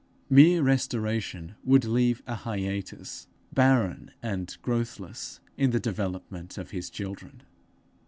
Mere restoration would leave a hiatus, barren and growthless, in the development of his children.